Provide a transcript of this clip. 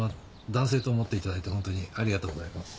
男性と思っていただいてホントにありがとうございます。